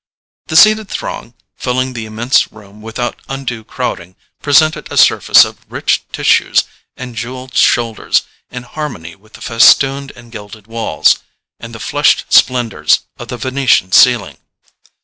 The seated throng, filling the immense room without undue crowding, presented a surface of rich tissues and jewelled shoulders in harmony with the festooned and gilded walls, and the flushed splendours of the Venetian ceiling.